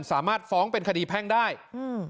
สามารถฟ้องเป็นคดีแพ่งได้อืม